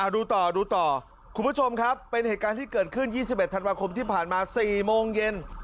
ดูต่อดูต่อคุณผู้ชมครับเป็นเหตุการณ์ที่เกิดขึ้น๒๑ธันวาคมที่ผ่านมา๔โมงเย็น